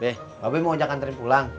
beh mbak be mau ajak kantrin pulang